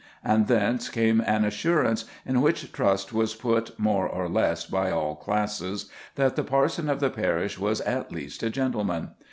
And thence came an assurance, in which trust was put more or less by all classes, that the parson of the parish was at least a gentleman.